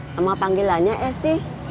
nama panggilannya esi